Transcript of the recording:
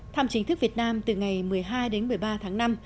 thăm chính thức việt nam từ ngày một mươi hai đến một mươi ba tháng năm